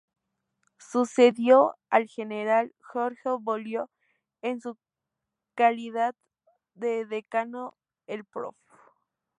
Sucedió al General Jorge Volio en su calidad de Decano, el Prof.